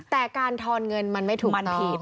แต่การทอนเงินมันไม่ถูกต้อง